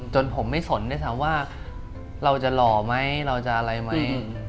จนผมไม่สนด้วยซ้ำว่าเราจะหล่อไหมเราจะอะไรไหม